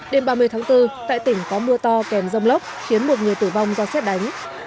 đêm ba mươi tháng bốn tại tỉnh có mưa to kèm rông lốc khiến một người tử vong do xét đánh